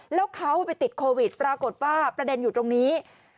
แล้วเขาไปติดโควิดปรากฏว่าประเด็นอยู่ตรงนี้